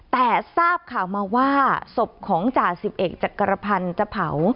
แต่ทราบข่าวมาว่าศพของจ่า๑๑จักรพรรณเจ้าเผา